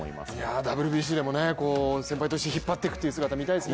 ＷＢＣでも先輩として引っ張っていく姿を見たいですね。